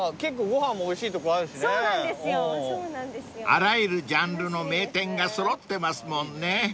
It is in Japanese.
［あらゆるジャンルの名店が揃ってますもんね］